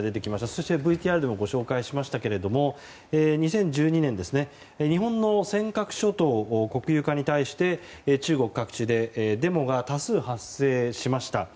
そして、ＶＴＲでもご紹介しましたが２０１２年日本の尖閣諸島の国有化に対し中国各地でデモが多数発生しました。